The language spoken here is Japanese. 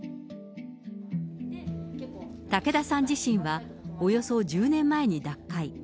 武田さん自身はおよそ１０年前に脱会。